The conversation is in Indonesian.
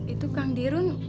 itu kang dirun